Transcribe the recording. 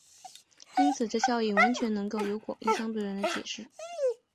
因此这效应完全能够由广义相对论来解释。